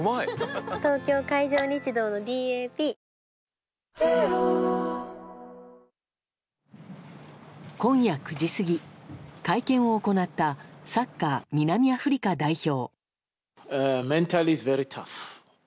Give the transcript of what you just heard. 東京海上日動のＤＡＰ今夜９時過ぎ、会見を行ったサッカー南アフリカ代表。